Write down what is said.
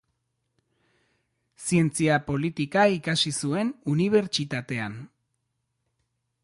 Zientzia politika ikasi zuen unibertsitatean.